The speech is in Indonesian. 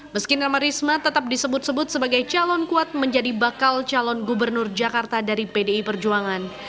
meski nama risma tetap disebut sebut sebagai calon kuat menjadi bakal calon gubernur jakarta dari pdi perjuangan